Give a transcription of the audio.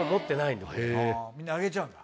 みんなあげちゃうんだ。